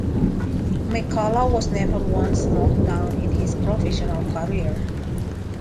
McCullough was never once knocked down in his professional career.